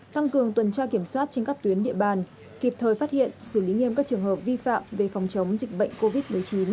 tăng cường tuần tra kiểm soát trên các tuyến địa bàn kịp thời phát hiện xử lý nghiêm các trường hợp vi phạm về phòng chống dịch bệnh covid một mươi chín